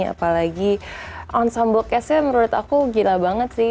apalagi ensemble castnya menurut aku gila banget sih